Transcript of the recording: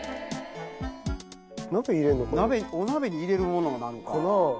お鍋に入れるもの。かな？